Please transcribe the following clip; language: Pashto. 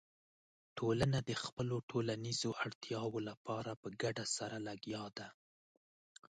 ټولنه د خپلو ټولنیزو اړتیاوو لپاره په ګډه سره لګیا ده.